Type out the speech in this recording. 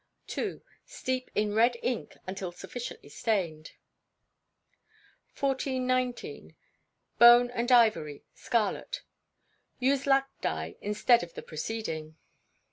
ii. Steep in red ink until sufficiently stained. 1419. Bone and Ivory. Scarlet. Use lac dye instead of the preceding.